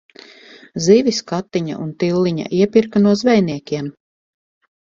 Zivis Katiņa un Tilliņa iepirka no zvejniekiem.